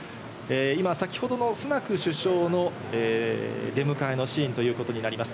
今は先ほどのスナク首相の出迎えのシーンということになります。